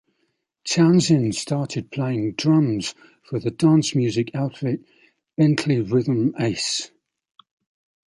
Townshend started playing drums for the dance music outfit, Bentley Rhythm Ace.